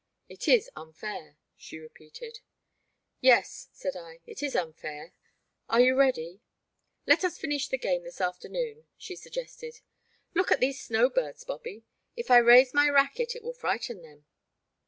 It is unfair, she repeated. Yes, said I, it is unfair ; are you ready ?*' Let us finish the game this afternoon, she suggested ;look at these snow birds, Bobby ; if I raise mj' racquet it will frighten them.